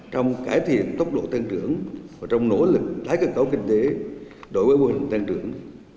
trong cải thiện tốc độ tăng trưởng và trong nỗ lực tái cơ cấu kinh tế đối với mô hình tăng trưởng